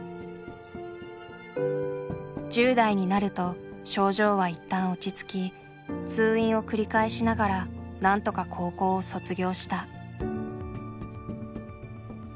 １０代になると症状は一旦落ち着き通院を繰り返しながらなんとか高校を卒業した。